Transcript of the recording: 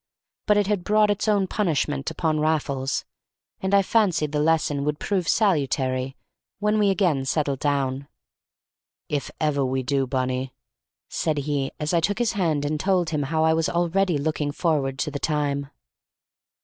But it had brought its own punishment upon Raffles, and I fancied the lesson would prove salutary when we again settled down. "If ever we do, Bunny!" said he, as I took his hand and told him how I was already looking forward to the time.